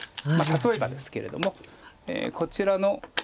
例えばですけれどもこちらの。